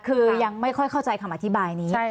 คือยังไม่ค่อยเข้าใจคำอธิบายนี้